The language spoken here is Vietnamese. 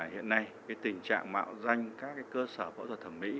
hiện nay tình trạng mạo danh các cơ sở phẫu thuật thẩm mỹ